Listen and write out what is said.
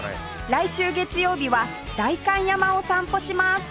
来週月曜日は代官山を散歩します